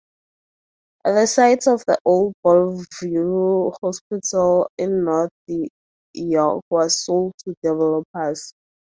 The site of the old Bloorview Hospital in North York was sold to developers.